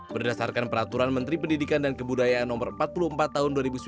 berdasarkan peraturan menteri pendidikan dan kebudayaan no empat puluh empat tahun dua ribu sembilan belas